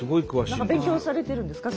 何か勉強されてるんですか？